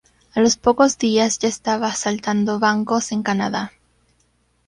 A los pocos días ya estaba asaltando bancos en Canadá.